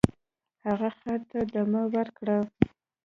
هغه خر ته دمه ورکړه.